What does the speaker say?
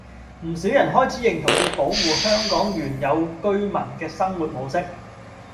唔少人開始認同要保護香港原有居民嘅生活模式